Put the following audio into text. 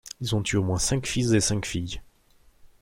Ils ont eu au moins cinq fils et cinq filles.